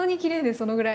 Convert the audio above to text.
そのぐらい。